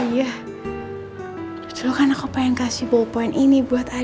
itu kan tanda perhatian dan kasih sayang kita